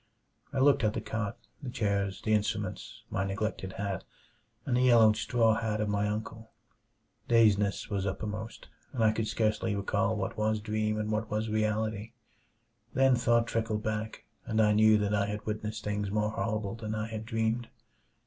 I looked at the cot, the chairs, the instruments, my neglected hat, and the yellowed straw hat of my uncle. Dazedness was uppermost, and I could scarcely recall what was dream and what was reality. Then thought trickled back, and I knew that I had witnessed things more horrible than I had dreamed.